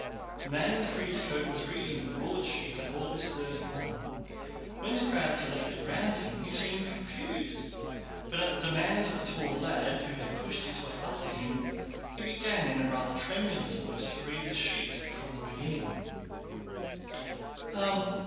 The man in the frieze coat was reading the broadsheet of August 31. When the crowd collected round him he seemed confused, but at the demand of the tall lad who had pushed his way up to him, he began in a rather tremulous voice to read the sheet from the beginning.